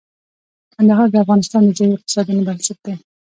کندهار د افغانستان د ځایي اقتصادونو بنسټ دی.